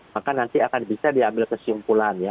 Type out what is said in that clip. maka nanti akan bisa diambil kesimpulan ya